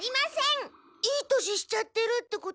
いい年しちゃってるってことは？